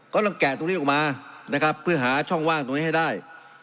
แกะตรงนี้ออกมานะครับเพื่อหาช่องว่างตรงนี้ให้ได้